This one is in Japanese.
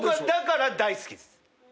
だから大好きです。